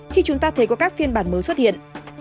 khi chúng ta thấy có các phiên bản mới xuất hiện